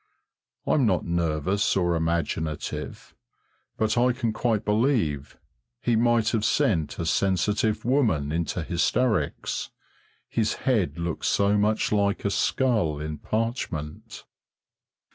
I'm not nervous or imaginative, but I can quite believe he might have sent a sensitive woman into hysterics his head looked so much like a skull in parchment.